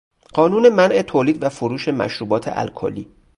قانون منع تولید و فروش مشروبات الکلی